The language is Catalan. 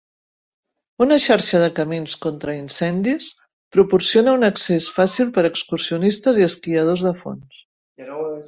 Una xarxa de camins contra incendis proporciona un accés fàcil per a excursionistes i esquiadors de fons.